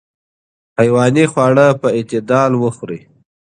حیواني خواړه په اعتدال وخورئ.